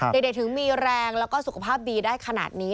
เด็กถึงมีแรงแล้วก็สุขภาพดีได้ขนาดนี้